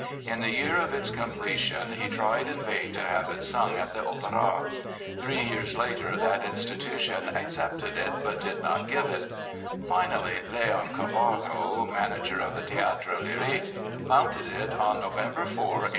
In the year of its completion he tried in vain to have it sung at the Opéra. Three years later that institution accepted it but did not give it. Finally, Léon Carvalho, manager of the Théâtre Lyrique, mounted it on November 4, 1863.